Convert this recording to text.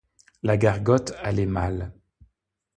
La gargote allait mal.